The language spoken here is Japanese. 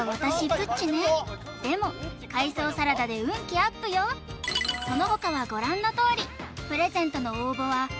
プッチねでも海藻サラダで運気アップよそのほかはご覧のとおりプレゼントの応募は＃